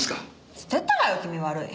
捨てたわよ気味悪い。